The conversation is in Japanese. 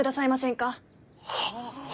はあ？